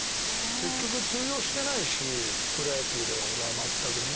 結局通用してないプロ野球では俺は全くね。